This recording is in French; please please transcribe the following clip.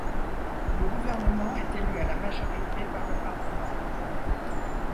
Le gouvernement est élu à la majorité par le Parlement.